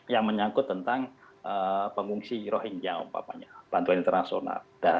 yang menyangkut tentang pengungsi rohingya umpamanya bantuan internasional